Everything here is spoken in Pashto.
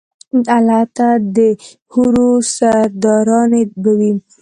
الته ده حورو سرداراني به وي